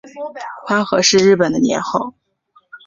宽和是日本的年号。